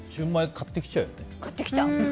買ってきちゃう。